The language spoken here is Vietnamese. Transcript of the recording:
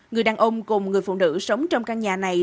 người đàn ông cùng người phụ nữ sống trong căn nhà này